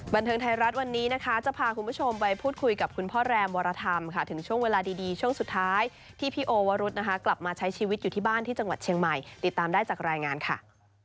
บันเทิงไทยรัฐวันนี้นะคะจะพาคุณผู้ชมไปพูดคุยกับคุณพ่อแรมวรธรรมค่ะถึงช่วงเวลาดีช่วงสุดท้ายที่พี่โอวรุธนะคะกลับมาใช้ชีวิตอยู่ที่บ้านที่จังหวัดเชียงใหม่ติดตามได้จากรายงานค่ะ